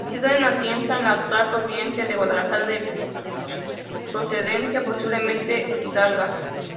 Nacido en Atienza, en la actual provincia de Guadalajara, de procedencia posiblemente hidalga.